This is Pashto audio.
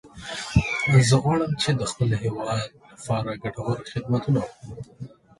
زه غواړم چې د خپل هیواد لپاره ګټور خدمتونه وکړم